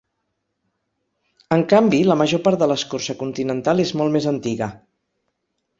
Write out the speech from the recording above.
En canvi, la major part de l'escorça continental és molt més antiga.